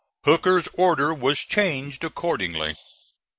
Hooker's order was changed accordingly.